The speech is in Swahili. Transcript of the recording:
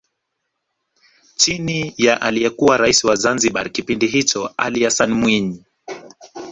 Chini ya aliyekuwa Rais wa Zanzibar kipindi hicho Ali Hassani Mwinyi